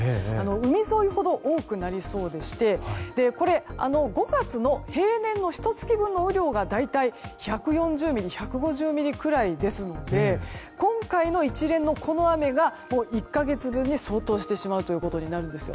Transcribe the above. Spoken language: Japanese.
海沿いほど多くなりそうでしてこれ、５月の平年のひと月分の雨量が大体１４０ミリ１５０ミリくらいですので今回の一連のこの雨が１か月分に相当してしまうということになるんです。